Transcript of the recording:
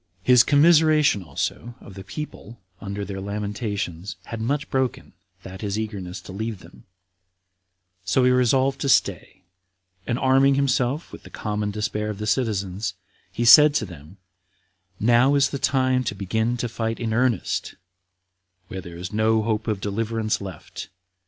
His commiseration also of the people under their lamentations had much broken that his eagerness to leave them; so he resolved to stay, and arming himself with the common despair of the citizens, he said to them, "Now is the time to begin to fight in earnest, when there is no hope of deliverance left.